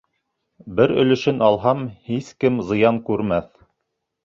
Бер өлөшөн алһам, һис кем зыян күрмәҫ.